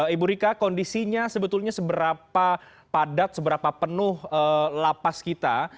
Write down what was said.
ibu rika kondisinya sebetulnya seberapa padat seberapa penuh lapas kita